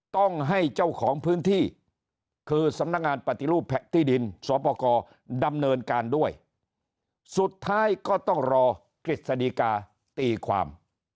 ต้องให้เจ้าของพื้นที่คือสำนักงานปฏิรูปที่ดินสอปกรดำเนินการด้วยสุดท้ายก็ต้องรอกฤษฎีกาตีความ